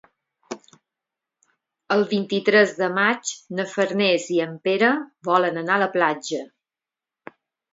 El vint-i-tres de maig na Farners i en Pere volen anar a la platja.